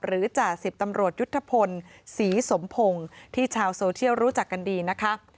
จ่าสิบตำรวจยุทธพลศรีสมพงศ์ที่ชาวโซเชียลรู้จักกันดีนะคะ